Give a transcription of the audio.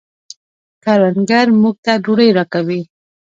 کروندګر موږ ته ډوډۍ راکوي